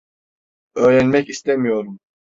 Öğrenmek istemiyorum.